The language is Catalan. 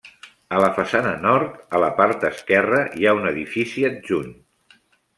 A la façana nord, a la part esquerra hi ha un edifici adjunt.